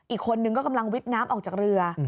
อีกคนนึงก็กำลังวิทย์น้ำออกจากเรือ